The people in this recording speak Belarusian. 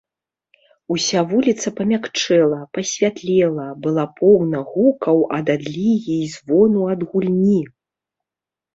Уся вуліца памякчэла, пасвятлела, была поўна гукаў ад адлігі і звону ад гульні.